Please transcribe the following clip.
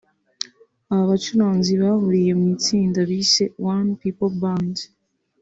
Aba bacuranzi bahuriye mu itsinda bise "One People Band"